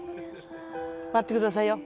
待ってくださいよ。